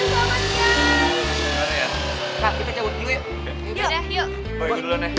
pak kita cabut dulu yuk